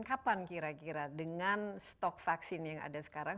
kapan kira kira dengan stok vaksin yang ada sekarang